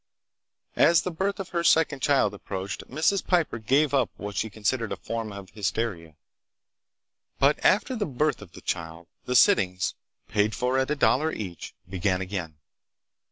As the birth of her second child approached Mrs. Piper gave up what she considered a form of hysteria; but after the birth of the child the sittings, paid for at a dollar each, began again.